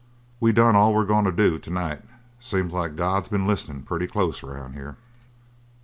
"We done all we're goin' to do to night. Seems like God's been listenin' pretty close, around here!"